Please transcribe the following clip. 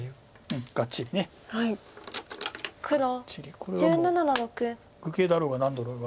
これはもう愚形だろうが何だろうが。